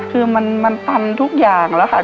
คือมันตันทุกอย่างแล้วค่ะ